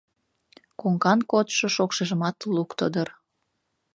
Коҥган кодшо шокшыжымат лукто дыр.